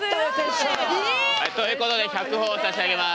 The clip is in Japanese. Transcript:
煌翔！ということで１００ほぉ差し上げます！